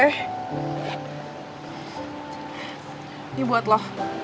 ini buat lo